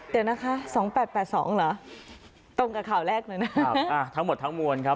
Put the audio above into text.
เดี๋ยวนะคะ๒๘๘๒เหรอตรงกับข่าวแรกเลยนะครับอ่าทั้งหมดทั้งมวลครับ